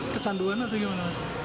kecanduan atau gimana